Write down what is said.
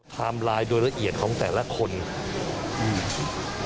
ไลน์โดยละเอียดของแต่ละคนอืม